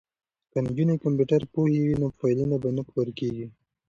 که نجونې کمپیوټر پوهې وي نو فایلونه به نه ورکیږي.